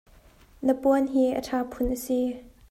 Na puan hi a ṭha phun a si.